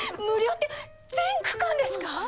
無料って全区間ですか？